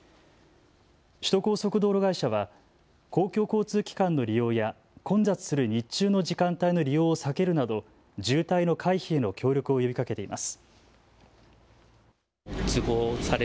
首都高速道路会社は公共交通機関の利用や混雑する日中の時間帯の利用を避けるなど渋滞の回避への協力を呼びかけています。